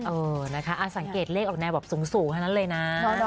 เออนะคะสังเกตเลขออกแนวแบบสูงเท่านั้นเลยนะ